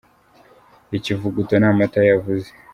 icyivuguto ni amata yavuze